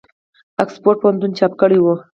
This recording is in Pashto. آکسفورډ پوهنتون چاپ کړی وو.